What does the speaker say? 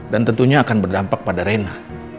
dan tentunya akan berdampak pada rena